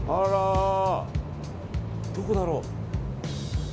どこだろう？